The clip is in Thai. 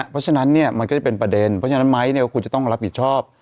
เพราะฉะนั้นมันก็จะเป็นประเด็นเพราะฉะนั้นไม้คุณจะต้องรับผิดชอบ